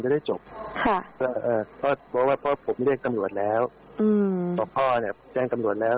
ได้จบค่ะก็เพราะว่าพ่อผมเรียกตำรวจแล้วพอพ่อเนี่ยแจ้งตำรวจแล้ว